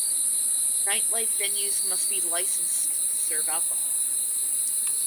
Nightlife venues must be licensed to serve alcohol.